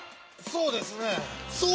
「そうですね」